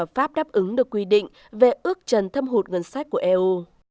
pháp đáp ứng được quy định về ước trần thâm hụt ngân sách của eu